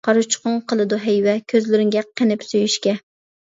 قارىچۇقۇڭ قىلىدۇ ھەيۋە، كۆزلىرىڭگە قېنىپ سۆيۈشكە.